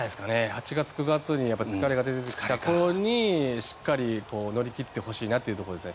８月、９月に疲れが出てきた頃にしっかり乗り切ってほしいなというところですね。